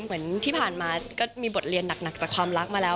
เหมือนที่ผ่านมาก็มีบทเรียนหนักจากความรักมาแล้ว